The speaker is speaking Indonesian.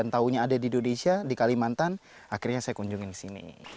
yang tahunya ada di indonesia di kalimantan akhirnya saya kunjungi di sini